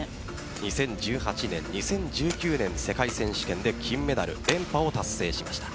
２０１８年、２０１９年世界選手権で金メダル連覇を達成しました。